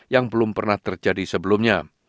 yang belum pernah terjadi sebelumnya